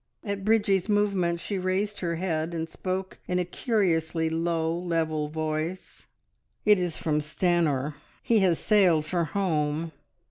At Bridgie's movement she raised her head, and spoke in a curiously low, level voice "It is from Stanor. He has sailed for home.